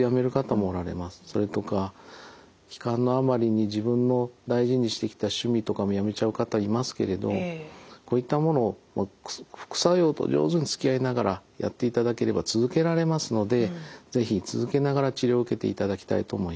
それとか悲観のあまりに自分の大事にしてきた趣味とかもやめちゃう方いますけれどこういったものを副作用と上手につきあいながらやっていただければ続けられますので是非続けながら治療を受けていただきたいと思います。